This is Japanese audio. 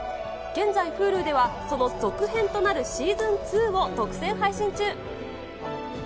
現在Ｈｕｌｕでは、その続編となるシーズン２を独占配信中。